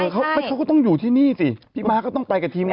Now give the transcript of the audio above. เขาก็ต้องอยู่ที่นี่สิพี่ม้าก็ต้องไปกับทีมงาน